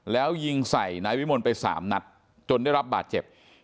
แล้วยิงใส่นายวิมลไป๓นัดจนได้รับบาดเจ็บ